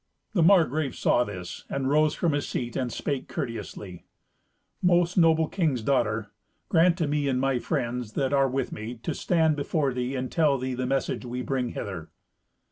The Margrave saw this, and rose from his seat and spake courteously, "Most noble king's daughter, grant to me and my friends that are with me, to stand before thee and tell thee the message we bring hither."